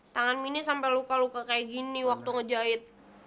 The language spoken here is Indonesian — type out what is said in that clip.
tangan mini sampai luka luka kayak gini waktu ngejahit